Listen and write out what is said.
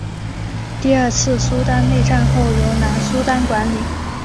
第二次苏丹内战后由南苏丹管理。